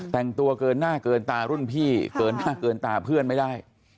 แต่งตัวเกินหน้าเกินตารุ่นพี่เกินหน้าเกินตาเพื่อนไม่ได้